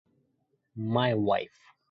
My wife.